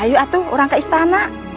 ayu atuh orang ke istana